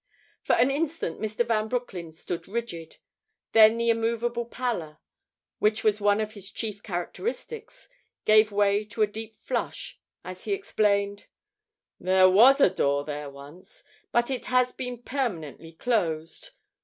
For an instant Mr. Van Broecklyn stood rigid, then the immovable pallor, which was one of his chief characteristics, gave way to a deep flush as he explained: "There was a door there once; but it has been permanently closed.